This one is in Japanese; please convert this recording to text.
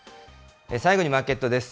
最後にマーケットです。